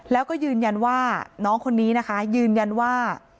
แล้วก็ยืนยันว่าน้องคนนี้นะคะยืนยันว่า